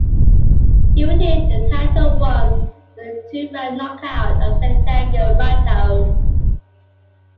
He retained the title once, with a two-round knockout of Santiago Matos.